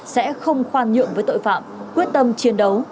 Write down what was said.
sẽ không khoan nhượng với tội phạm quyết tâm chiến đấu